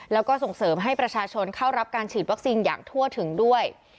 แล้วก็ส่งเสริมให้ประชาชนเข้ารับการฉีดวัคซีนอย่างทั่วถึงด้วย